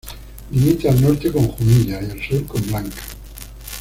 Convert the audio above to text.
Limita al norte con Jumilla y al sur con Blanca.